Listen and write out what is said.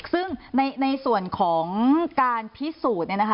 ซึ่งในส่วนของการพิสูจน์